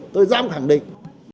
tôi dám khẳng định